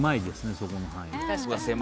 そこの範囲が。